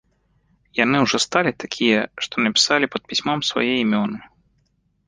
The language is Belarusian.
Яны ўжо сталі такія, што напісалі пад пісьмом свае імёны.